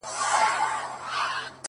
ژونده د څو انجونو يار يم؛ راته ووايه نو؛